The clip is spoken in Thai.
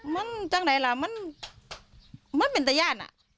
มันจังไหนล่ะมันมันเป็นตะย่านอ่ะ